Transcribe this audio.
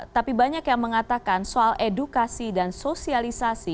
tapi banyak yang mengatakan soal edukasi dan sosialisasi